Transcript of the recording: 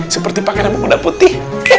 seperti pakenya kuda putih